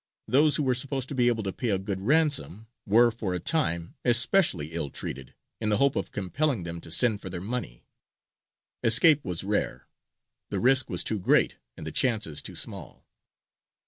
Those who were supposed to be able to pay a good ransom were for a time especially ill treated, in the hope of compelling them to send for their money. Escape was rare: the risk was too great, and the chances too small.